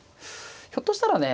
ひょっとしたらね